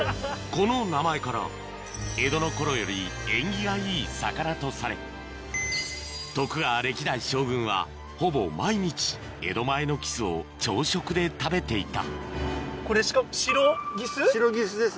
この名前から江戸の頃より縁起がいい魚とされ徳川歴代将軍はほぼ毎日江戸前のキスを朝食で食べていたこれしかもシロギス？